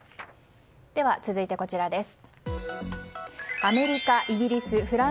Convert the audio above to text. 続いてこちらです。